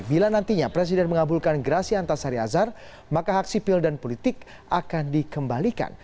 bila nantinya presiden mengabulkan gerasi antasari azhar maka hak sipil dan politik akan dikembalikan